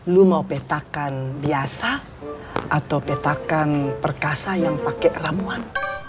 lu mau petakan biasa atau petakan perkasa yang pakai ramuan